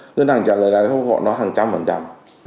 ngân hàng trả lời là bốc họ nó hàng trăm phần trăm